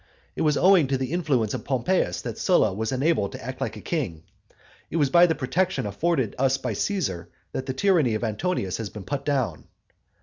It was owing to the influence of Pompeius that Sylla was enabled to act like a king. It is by the protection afforded us by Caesar that the tyranny of Antonius has been put down.